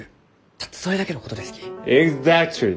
たったそれだけのことですき。